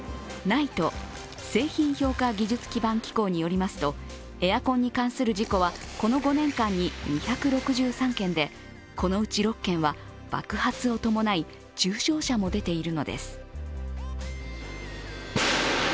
ＮＩＴＥ＝製品評価技術基盤機構によりますと、エアコンに関する事故はこの５年間に２６３件でこのうち６件は、爆発を伴い重傷者も出ているのです。